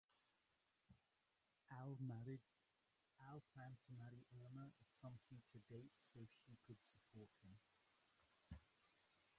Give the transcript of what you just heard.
Al planned to marry Irma at some future date so she could support him.